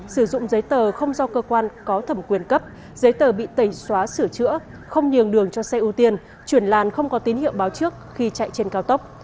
sử dụng giấy tờ không do cơ quan có thẩm quyền cấp giấy tờ bị tẩy xóa sửa chữa không nhường đường cho xe ưu tiên chuyển làn không có tín hiệu báo trước khi chạy trên cao tốc